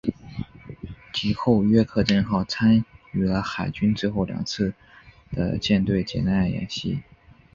及后约克镇号参与了海军最后两次的舰队解难演习。